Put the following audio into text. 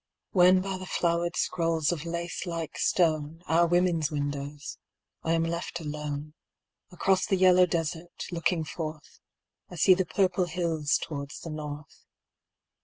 When by the flowered scrolls of lace like stone Our women's windows I am left alone, Across the yellow Desert, looking forth, I see the purple hills towards the north.